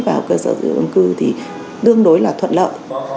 vào cơ sở dữ liệu dân cư thì đương đối là thuận lợi